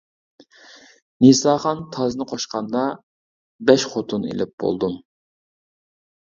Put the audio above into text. نىساخان تازنى قوشقاندا بەش خوتۇن ئېلىپ بولدۇم.